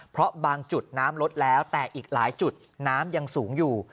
เพราะบางจุดน้ำลดแล้วแต่อีกหลายจุดน้ำยังสูงอยู่